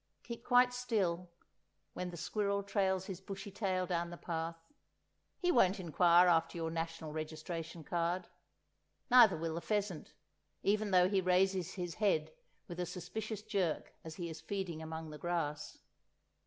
Keep quite still when the squirrel trails his bushy tail down the path, he won't inquire after your National Registration card; neither will the pheasant, even though he raises his head with a suspicious jerk as he is feeding among the grass.